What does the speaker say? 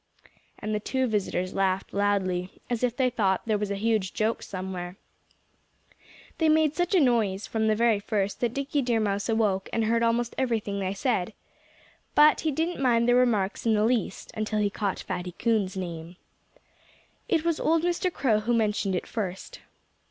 And the two visitors laughed loudly, as if they thought there was a huge joke somewhere. They made such a noise, from the very first, that Dickie Deer Mouse awoke and heard almost everything they said. But he didn't mind their remarks in the least until he caught Fatty Coon's name. It was old Mr. Crow who mentioned it first.